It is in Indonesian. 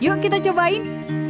yuk kita cobain